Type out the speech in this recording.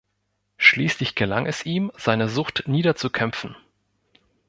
Schließlich gelang es ihm, seine Sucht niederzukämpfen.